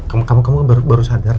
aku gak bisa ngerasain kakiku sendiri